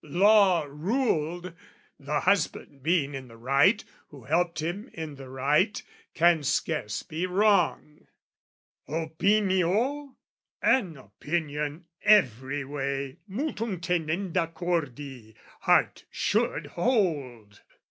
Law ruled "The husband being in the right, "Who helped him in the right can scarce be wrong" Opinio, an opinion every way, Multum tenenda cordi, heart should hold!